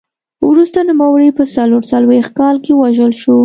وروسته نوموړی په څلور څلوېښت کال کې ووژل شو